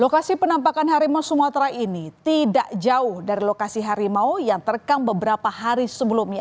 lokasi penampakan harimau sumatera ini tidak jauh dari lokasi harimau yang terekam beberapa hari sebelumnya